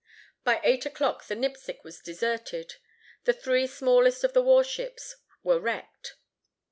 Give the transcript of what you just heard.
By eight o'clock the Nipsic was deserted. The three smallest of the war ships were wrecked.